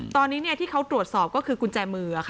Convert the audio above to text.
ตอนนี้ที่เขาตรวจสอบก็คือกุญแจมือ